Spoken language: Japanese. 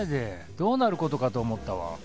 どうなることかと思ったわ。